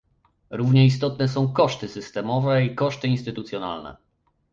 Równie istotne są koszty systemowe i koszty instytucjonalne